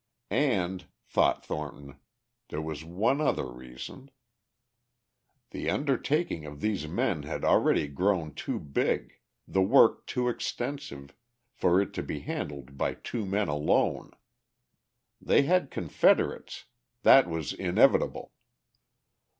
And, thought Thornton, there was one other reason: The undertaking of these men had already grown too big, the work too extensive, for it to be handled by two men alone. They had confederates; that was inevitable.